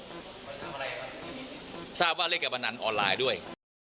ทราบว่าเรียกกับอันนั้นออนไลน์ด้วย